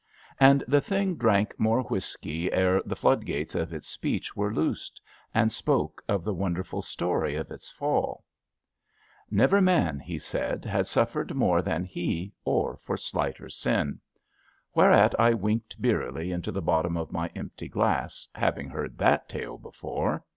And the Thing drank more whisky ere the flood gates of its speech were loosed and spoke of the wonder ful story of its fall. 13 14 ABAFT THE FUNNEL Never man, he said, had suffered more than he, or for slighter sin. Whereat I winked beerily into the bottom of my empty glass, having heard that tale before.